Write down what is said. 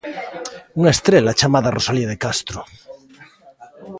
Unha estrela chamada Rosalía de Castro.